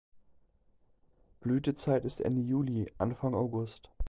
Blütezeit ist Ende Juli, Anfang August.